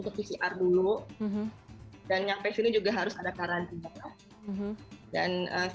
kita menggunakan kalau orang indonesia ke sini tetap menggunakan visa